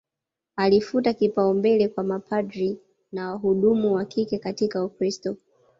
Alifuta kipaumbele kwa mapadri na wahudumu wa kike katika Ukristo